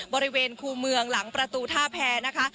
บริเวณคู่เมืองหลังประตูท่าแพรนะคะ